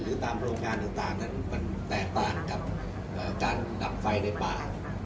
หรือตามโรงงานต่างมันแตกต่างกับการหนับไฟในป่า